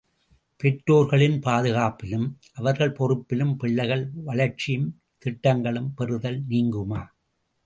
பெற்றோர்களின் பாதுகாப்பிலும் அவர்கள் பொறுப்பிலும் பிள்ளைகள் வளர்ச்சியும் திட்டங்களும் பெறுதல் நீங்குமா?